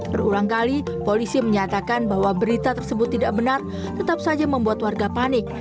berulang kali polisi menyatakan bahwa berita tersebut tidak benar tetap saja membuat warga panik